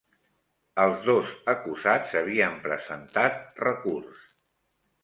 Els dos acusats havien presentat recurs